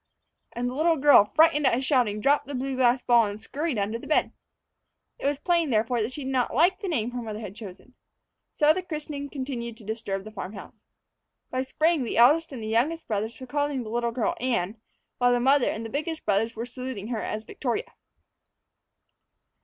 And the little girl, frightened at his shouting, dropped the blue glass ball, and scurried under the bed. It was plain, therefore, that she did not like the name her mother had chosen. So the christening continued to disturb the farm house. By spring the eldest and the youngest brothers were calling the little girl Anne, while the mother and the biggest brother were saluting her as Victoria.